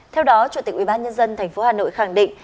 theo đó chủ tịch ubnd tp hà nội khẳng định